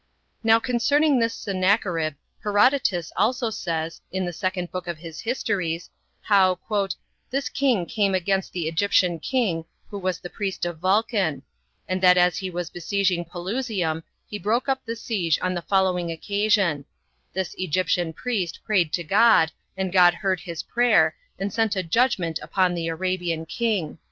Now concerning this Sennacherib, Herodotus also says, in the second book of his histories, how "this king came against the Egyptian king, who was the priest of Vulcan; and that as he was besieging Pelusium, he broke up the siege on the following occasion: This Egyptian priest prayed to God, and God heard his prayer, and sent a judgment upon the Arabian king."